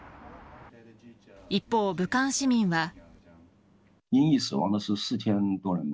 一方、武漢市民は。